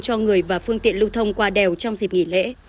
cho người và phương tiện lưu thông qua đèo trong dịp nghỉ lễ